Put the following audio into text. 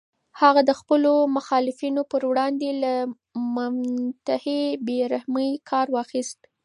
هغه د خپلو مخالفینو پر وړاندې له منتهی بې رحمۍ کار واخیست.